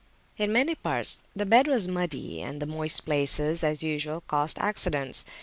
In many parts the bed was muddy; and the moist places, as usual, caused accidents.